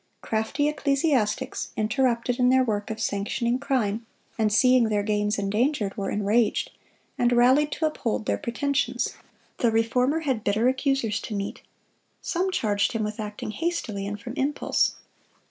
Crafty ecclesiastics, interrupted in their work of sanctioning crime, and seeing their gains endangered, were enraged, and rallied to uphold their pretensions. The Reformer had bitter accusers to meet. Some charged him with acting hastily and from impulse.